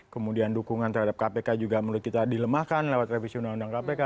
kemudian dukungan terhadap kpk juga menurut kita dilemahkan lewat revisi undang undang kpk